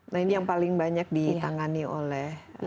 nah ini yang paling banyak ditangani oleh